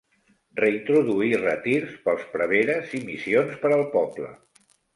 Reintroduí retirs pels preveres i missions per al poble.